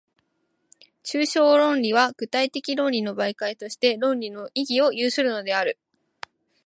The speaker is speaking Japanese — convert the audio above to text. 抽象論理は具体的論理の媒介として、論理の意義を有するのである。